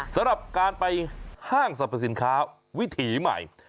สำหรับการไปห้างสรรพสินค้าวิถีใหม่